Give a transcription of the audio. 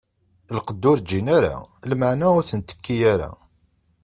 Lqedd ur ǧǧin ara, lmeɛna ur ten-tekki ara.